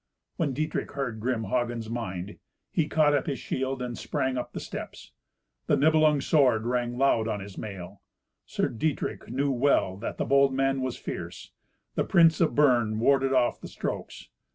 When Dietrich heard grim Hagen's mind, he caught up his shield, and sprang up the steps. The Nibelung sword rang loud on his mail. Sir Dietrich knew well that the bold man was fierce. The prince of Bern warded off the strokes.